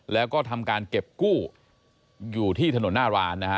แล้วก็ทำการเก็บกู้อยู่ที่ถนนหน้าร้านนะฮะ